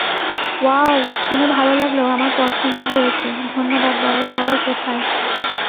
Wow, শুনে ভালো লাগলো আমার পছন্দ হয়েছে ধন্যবাদ বাবা সবাই কোথায়?